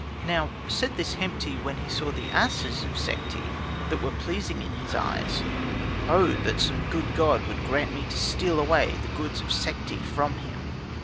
Now said this Hemti, when he saw the asses of Sekhti, that were pleasing in his eyes, "Oh that some good god would grant me to steal away the goods of Sekhti from him!"